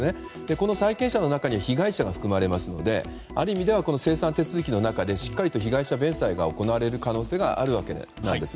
この債権者の中に被害者が含まれますのである意味では、清算手続きの中でしっかりと被害者弁済が行われる可能性があるわけです。